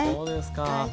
そうですか。